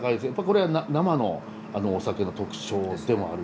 これは生のお酒の特徴でもあるし。